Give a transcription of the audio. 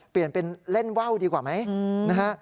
เปลี่ยนเป็นเล่นว่าวดีกว่าไหมนะฮะ